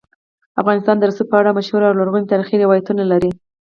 افغانستان د رسوب په اړه مشهور او لرغوني تاریخی روایتونه لري.